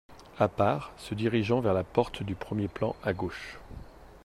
À part, se dirigeant vers la porte du premier plan à gauche.